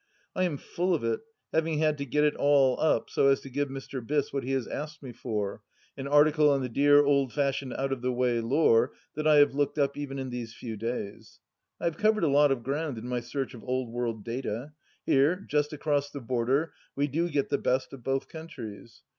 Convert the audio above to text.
I am full of it, having had to get it all up so as to give Mr. Biss what he has asked me for, an article on the dear old fashioned out of the way lore, that I have looked up even in these few days. I have covered a lot of ground in my search of old world data. Here, just across the border, we do get the best of both countries.